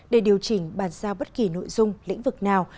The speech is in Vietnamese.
để điều chỉnh bàn giao bất kỳ nội dung lĩnh vực nào